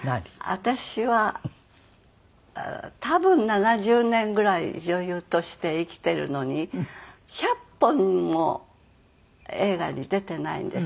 私は多分７０年ぐらい女優として生きているのに１００本も映画に出ていないんですよ。